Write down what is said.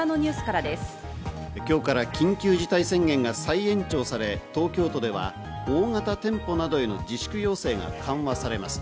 今日から緊急事態宣言が再延長され、東京都では大型店舗などへの自粛要請が緩和されます。